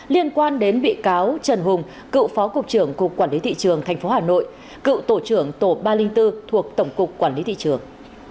liên quan đến bị cáo trần hùng cựu phó cục trưởng cục quản lý thị trường tp hà nội cựu tổ trưởng tổ ba trăm linh bốn thuộc tổng cục quản lý thị trường